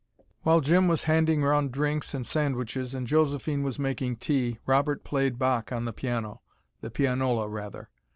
While Jim was handing round drinks and sandwiches, and Josephine was making tea, Robert played Bach on the piano the pianola, rather.